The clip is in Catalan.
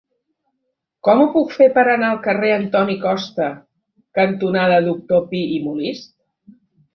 Com ho puc fer per anar al carrer Antoni Costa cantonada Doctor Pi i Molist?